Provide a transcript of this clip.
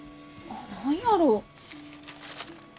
何やろう？